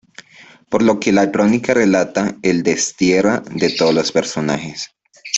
Por lo que, la crónica relata el destierra de todos los personajes.